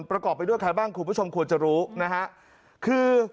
ประกอบไปด้วยใครบ้างคุณผู้ชมควรจะรู้นะฮะคือ